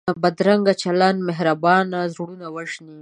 بدرنګه چلند مهربان زړونه وژني